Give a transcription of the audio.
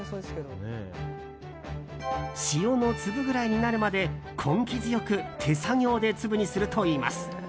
塩の粒くらいになるまで根気強く手作業で粒にするといいます。